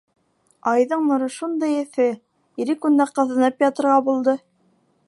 Ә айҙың нуры шундай эҫе, Ирек унда ҡыҙынып ятырға булды.